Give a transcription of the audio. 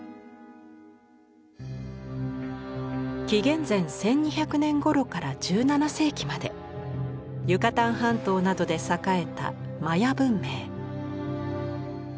紀元前１２００年ごろから１７世紀までユカタン半島などで栄えたマヤ文明。